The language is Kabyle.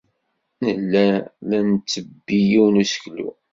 Nella la nttebbi yiwen n useklu.